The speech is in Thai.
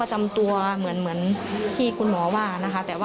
และก็มีการกินยาละลายริ่มเลือดแล้วก็ยาละลายขายมันมาเลยตลอดครับ